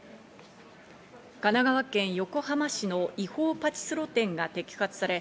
神奈川県横浜市の違法パチスロ店が摘発され、